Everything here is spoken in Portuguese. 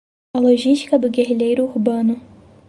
A Logística do Guerrilheiro Urbano